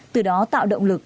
từ đó tạo động lực